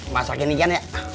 masakin ikan ya